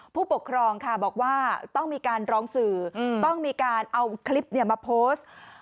ผู้ปกครองค่ะบอกว่าต้องมีการร้องสื่อต้องมีการเอาคลิปมาโพสต์